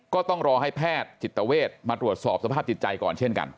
ก็ต้องรอให้แพทย์จิตเวทมาตรวจสอบสภาพจิตใจก่อนเช่นกัน